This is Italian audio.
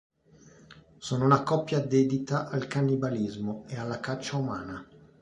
Sono una coppia dedita al cannibalismo e alla caccia umana.